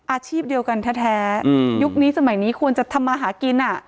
อาชีพเดียวกันแท้ยุคนี้สมัยนี้ควรจะทำมาหากิน